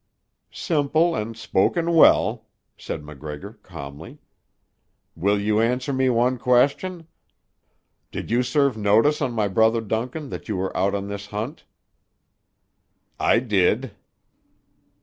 "Simple and spoken well," said MacGregor calmly. "Will you answer me one question: Did you serve notice on my brother Duncan that you were out on this hunt?" "I did."